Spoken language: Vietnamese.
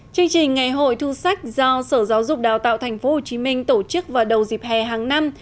chương trình ngày hội thu sách do sở giáo dục đào tạo tp hcm tổ chức vào đầu dịp hè hàng năm